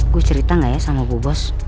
gue cerita gak ya sama bu bos